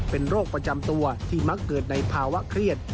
เป็นโรคประจำตัวที่มักเกิดในภาวะเครียด